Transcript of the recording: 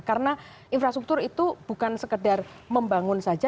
karena infrastruktur itu bukan sekedar membangun saja